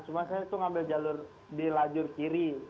cuma saya itu ngambil jalur di lajur kiri